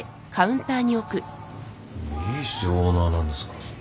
いいっすよオーナーなんですから。